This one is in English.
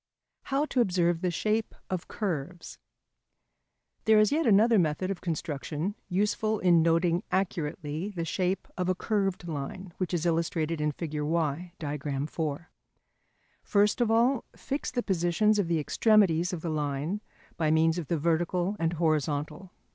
[Sidenote: How to observe the Shape of Curves.] There is yet another method of construction useful in noting accurately the shape of a curved line, which is illustrated in Fig. Y, page 87 [Transcribers Note: Diagram IV]. First of all, fix the positions of the extremities of the line by means of the vertical and horizontal.